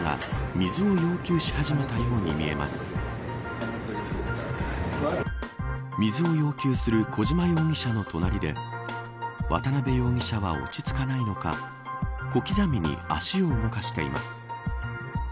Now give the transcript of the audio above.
水を要求する小島容疑者の隣で渡辺容疑者は落ち着かないのか小刻みに足を動かしています。